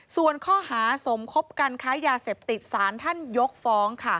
ส่วนข้อหาสมคบกันค้ายาเสพติดสารท่านยกฟ้อง